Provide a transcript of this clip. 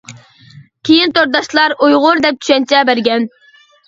كىيىن تورداشلار ئۇيغۇر دەپ چۈشەنچە بەرگەن.